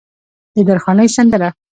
د درخانۍ سندره